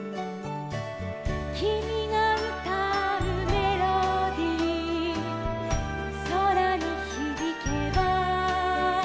「きみがうたうメロディーそらにひびけば」